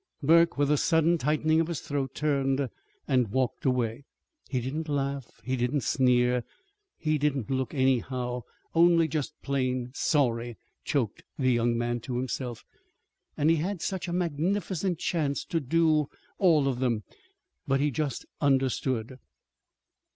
Burke, with a sudden tightening of his throat, turned and walked away. "He didn't laugh, he didn't sneer, he didn't look anyhow, only just plain sorry," choked the young man to himself. "And he had such a magnificent chance to do all of them. But he just understood."